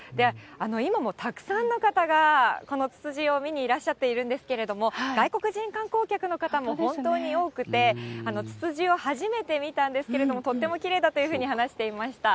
今もたくさんの方が、このつつじを見にいらっしゃっているんですけれども、外国人観光客の方も本当に多くて、つつじを初めて見たんですけれども、とてもきれいだというふうに話していました。